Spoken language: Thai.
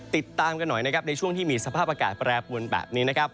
ติดตามกันหน่อยนะครับในช่วงที่มีสภาพอากาศแปรปวนแบบนี้นะครับ